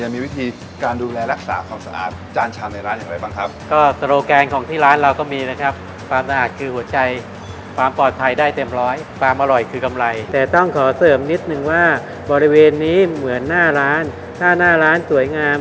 มีวิธีการดูแลรักษาความสะอาดจานชามในร้านอย่างไรบ้างครับ